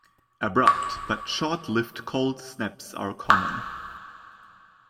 Abrupt but short-lived cold snaps are common.